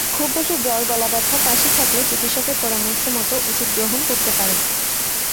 খুব বেশি জ্বর, গলাব্যথা, কাশি থাকলে চিকিৎসকের পরামর্শমতো ওষুধ গ্রহণ করতে পারেন।